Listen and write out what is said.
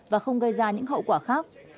và không gây ra những hậu quả khác